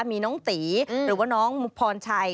มีน้องตีหรือว่าน้องพรชัย